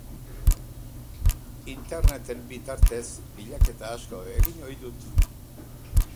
Interneten bitartez bilaketa asko egin ohi dut.